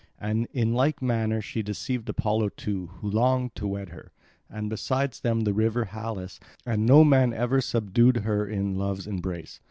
And in like manner she deceived Apollo too who longed to wed her, and besides them the river Halys, and no man ever subdued her in love's embrace.